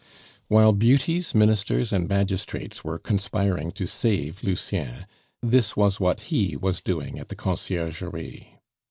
While beauties, ministers, and magistrates were conspiring to save Lucien, this was what he was doing at the Conciergerie.